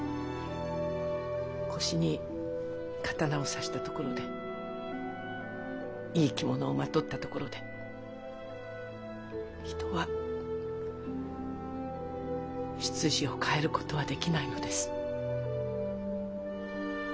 腰に刀を差したところでいい着物をまとったところで人は出自を変える事はできないのです。